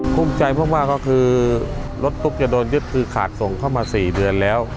ภูมิใจมากก็คือรถตุ๊กจะโดนยึดคือขาดส่งเข้ามา๔เดือนแล้ว